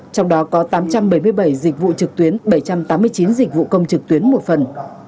trong đó có tám trăm bảy mươi bảy dịch vụ trực tuyến bảy trăm tám mươi chín dịch vụ công trực tuyến một phần